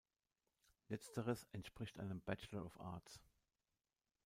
Letzteres entspricht einem Bachelor of Arts.